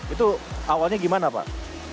itu awalnya gimana pak